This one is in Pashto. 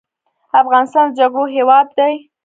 افغانستان د جګړو هیواد دی